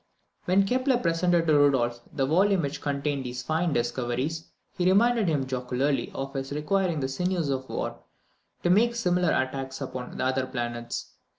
When Kepler presented to Rudolph the volume which contained these fine discoveries, he reminded him jocularly of his requiring the sinews of war to make similar attacks upon the other planets.